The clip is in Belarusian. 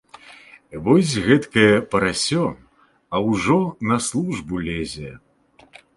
Вось гэтакае парасё, а ўжо на службу лезе.